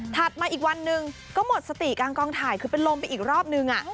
มาอีกวันหนึ่งก็หมดสติกลางกองถ่ายคือเป็นลมไปอีกรอบนึง